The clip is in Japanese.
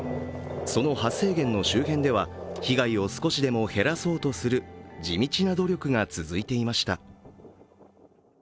その発生源の周辺では被害を少しでも減らそうとする地道な努力が続いていました。